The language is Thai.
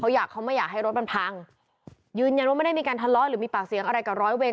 อยากเขาไม่อยากให้รถมันพังยืนยันว่าไม่ได้มีการทะเลาะหรือมีปากเสียงอะไรกับร้อยเวร